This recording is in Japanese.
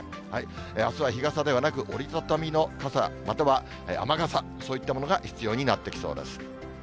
あすは日傘ではなく、折り畳みの傘、または雨傘、そういったものが必要になってきそうです。